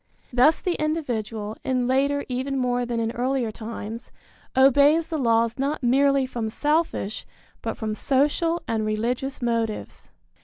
Thus the individual, in later even more than in earlier times, obeys the laws not merely from selfish, but from social and religious motives.